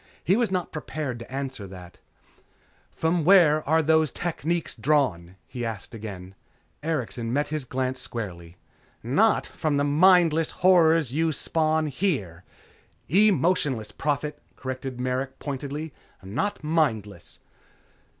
He was not prepared to answer that. "From where are the techniques drawn?" he asked again. Erikson met his glance squarely. "Not from the mindless horrors you spawn here!" "Emotionless, Prophet," corrected Merrick pointedly, "Not mindless."